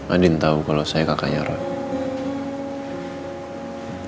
adin tau kalau saya kakaknya rob